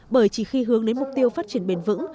bởi chỉ khi hướng đến mục tiêu phát triển bền vững